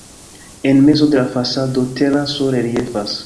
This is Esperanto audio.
En mezo de fasado teraso reliefas.